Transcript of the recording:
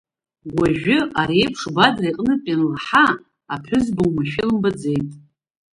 Уажәы ари еиԥш Бадра иҟнытә ианлаҳа, аԥҳәызба омашәа илымбаӡеит.